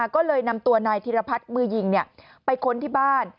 ก็เลยนำตัวนายธิรพัฒน์มือยิงไปค้นที่บ้าน